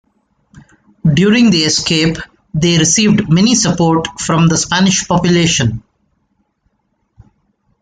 During the escape they received many support from the Spanish population.